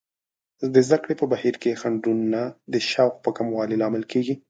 د زده کړې په بهیر کې خنډونه د شوق په کموالي لامل کیږي.